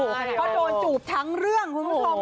ก็โดนจูบทั้งเรื่องคุ้ม